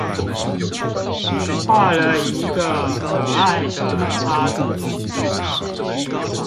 畫了一個可愛的插圖